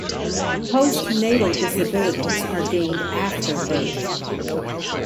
Post-natal disabilities are gained after birth.